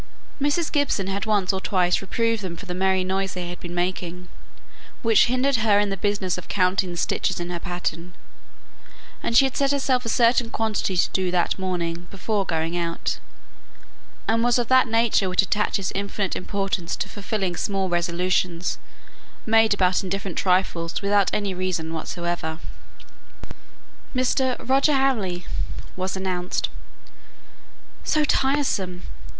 Mrs. Gibson had once or twice reproved them for the merry noise they were making, which hindered her in the business of counting the stitches in her pattern; and she had set herself a certain quantity to do that morning before going out, and was of that nature which attaches infinite importance to fulfilling small resolutions, made about indifferent trifles without any reason whatever. "Mr. Roger Hamley," was announced. "So tiresome!"